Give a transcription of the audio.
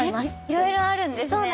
いろいろあるんですね。